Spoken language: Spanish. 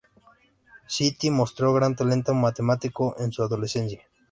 Chitty mostró gran talento matemático en su adolescencia.